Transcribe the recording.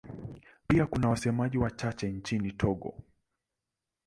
Pia kuna wasemaji wachache nchini Togo.